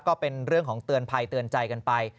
ก็เป็นเรื่องของเตือนภัยเตือนใจกันไป